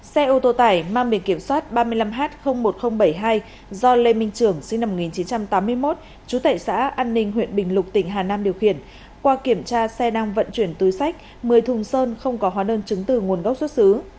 xe ô tô tải mang biển kiểm soát ba mươi năm h một nghìn bảy mươi hai do lê minh trưởng sinh năm một nghìn chín trăm tám mươi một trú tại xã an ninh huyện bình lục tỉnh hà nam điều khiển qua kiểm tra xe đang vận chuyển túi sách một mươi thùng sơn không có hóa đơn chứng từ nguồn gốc xuất xứ